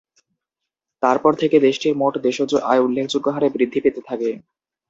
তারপর থেকে দেশটির মোট দেশজ আয় উল্লেখযোগ্য হারে বৃদ্ধি পেতে থাকে।